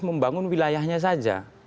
membangun wilayahnya saja